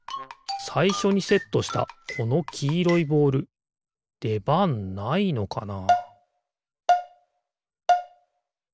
さいしょにセットしたこのきいろいボールでばんないのかな？